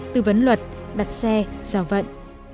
tư vấn luật đặt xe giao vận